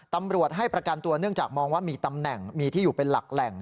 ตำรวจให้ประกันตัวเนื่องจากมองว่ามีตำแหน่งมีที่อยู่เป็นหลักแหล่ง